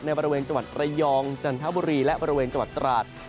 บริเวณจังหวัดระยองจันทบุรีและบริเวณจังหวัดตราด